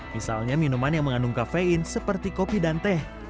misalnya minuman yang mengandung kafein seperti kopi dan teh